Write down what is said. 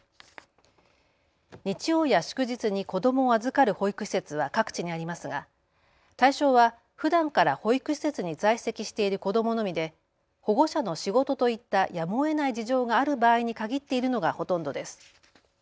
日曜や祝日に子どもを預かる保育施設は各地にありますが対象はふだんから保育施設に在籍している子どものみで保護者の仕事といったやむをえない事情がある場合に限っているのがほとんどです。